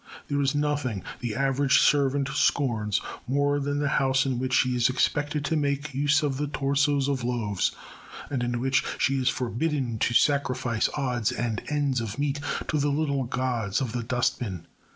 There is nothing the average servant scorns more than the house in which she is expected to make use of the torsos of loaves, and in which she is forbidden to sacrifice odds and ends of meat to the little gods of the dust bin.